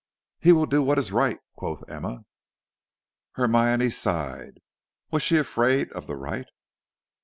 "He will do what is right," quoth Emma. Hermione sighed. Was she afraid of the right?